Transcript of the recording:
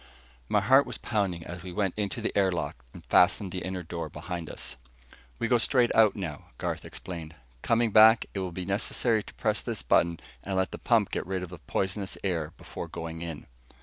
My heart was pounding as we went into the air lock and fastened the inner door behind us. "We go straight out now," Garth explained. "Coming back, it will be necessary to press this button and let the pump get rid of the poisonous, air before going in."